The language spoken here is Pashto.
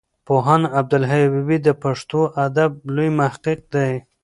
پوهاند عبدالحی حبیبي د پښتو ادب لوی محقق دی.